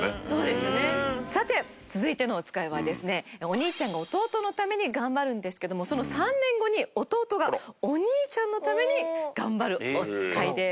さて続いてのおつかいはですねお兄ちゃんが弟のために頑張るんですけどもその３年後に弟がお兄ちゃんのために頑張るおつかいです。